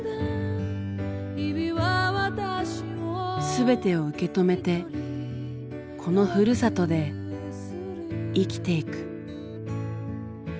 全てを受け止めてこのふるさとで生きていく。